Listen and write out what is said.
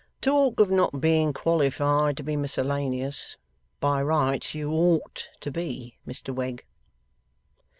Talk of not being qualified to be miscellaneous! By rights you OUGHT to be, Mr Wegg.